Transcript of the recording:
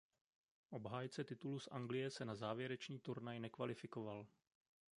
Obhájce titulu z Anglie se na závěrečný turnaj nekvalifikoval.